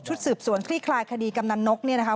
ชุดสืบสวนที่คลายคดีกำหนันนกนะคะ